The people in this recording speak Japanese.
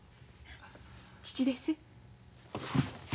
父です。